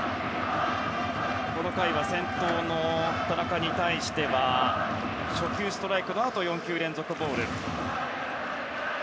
この回は、先頭の田中に対しては初球ストライクのあと４球連続ボール。